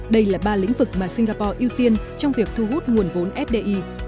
đây là ba lĩnh vực mà singapore ưu tiên trong việc thu hút nguồn vốn fdi